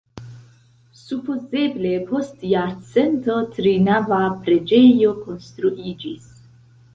Supozeble post jarcento trinava preĝejo konstruiĝis.